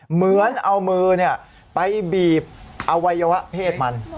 เหมือนเอามือไปบีบอวัยวะเพศมัน